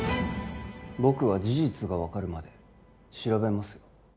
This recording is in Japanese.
僕は事実が分かるまで調べますよ